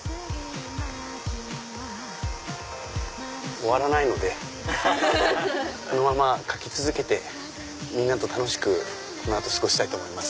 終わらないのでこのまま描き続けてみんなと楽しくこの後過ごしたいと思います。